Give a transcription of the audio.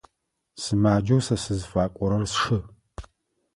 Сымаджэу сэ сызыфакӏорэр сшы.